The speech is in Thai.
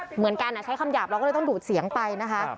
เหมือนกันใช้คำหยาบเราก็เลยต้องดูดเสียงไปนะคะ